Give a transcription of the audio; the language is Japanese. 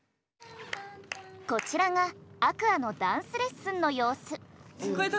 こちらがＡｑｏｕｒｓのダンスレッスンの様子。